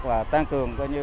và tăng cường